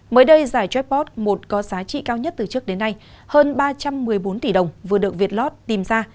mới đây giải jackpot một có giá trị cao nhất từ trước đến nay hơn ba trăm một mươi bốn tỷ đồng vừa được việt lot tìm ra